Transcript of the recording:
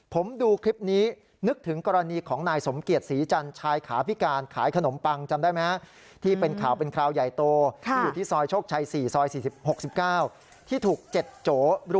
ผมดูคลิปนี้นึกถึงกรณีของนายสมเกียจศรีจันทร์